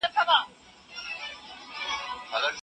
ابن خلدون د ټولني د بدلون رازونه وښودل.